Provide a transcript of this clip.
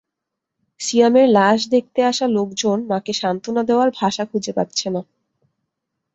সিয়ামের লাশ দেখতে আসা লোকজন মাকে সান্ত্বনা দেওয়ার ভাষা খুঁজে পাচ্ছে না।